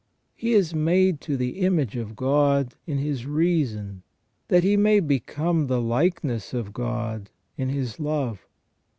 He is made to the image of God in his reason that he may become the likeness of God in his love.